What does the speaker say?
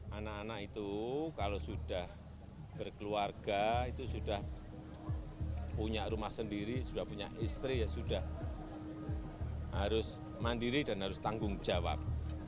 anak anak itu kalau sudah berkeluarga itu sudah punya rumah sendiri sudah punya istri ya sudah harus mandiri dan harus tanggung jawab